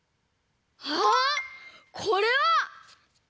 あっこれは！